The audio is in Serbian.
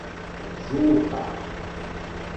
Жута